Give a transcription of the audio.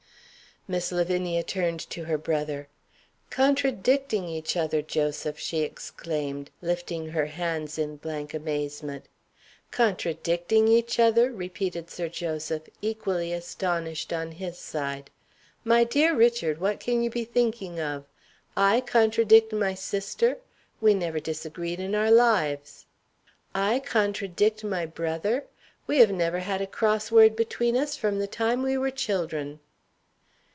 Miss Lavinia turned to her brother. "Contradicting each other, Joseph!" she exclaimed, lifting her hands in blank amazement. "Contradicting each other!" repeated Sir Joseph, equally astonished on his side. "My dear Richard, what can you be thinking of? I contradict my sister! We never disagreed in our lives." "I contradict my brother! We have never had a cross word between us from the time when we were children."